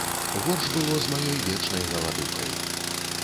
Горш было з маёй вечнай галадухай.